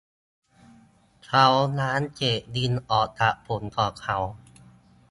เขาล้างเศษดินออกจากผมของเขา